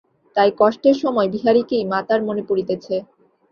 তাই কষ্টের সময় বিহারীকেই মাতার মনে পড়িতেছে।